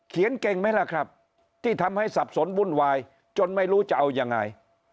เก่งไหมล่ะครับที่ทำให้สับสนวุ่นวายจนไม่รู้จะเอายังไง